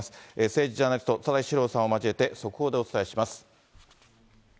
政治ジャーナリスト、田崎史郎さんを交えて、速報でお伝えします。